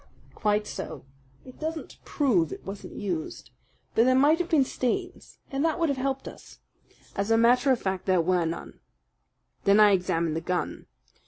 "Quite so. It doesn't prove it wasn't used. But there might have been stains, and that would have helped us. As a matter of fact there were none. Then I examined the gun.